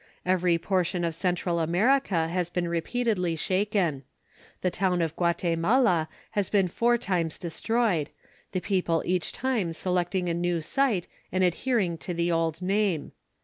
Every portion of Central America has been repeatedly shaken. The town of Guatemala has been four times destroyed, the people each time selecting a new site and adhering to the old name.